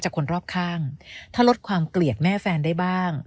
คนรอบข้างถ้าลดความเกลียดแม่แฟนได้บ้าง